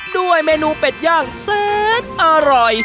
ด้วยเมนูเป็ดย่างแสนอร่อย